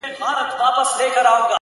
• نن جهاني په ستړو منډو رباتونه وهي,